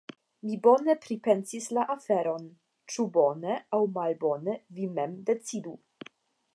Mi bone pripensis la aferon… ĉu bone aŭ malbone vi mem decidu.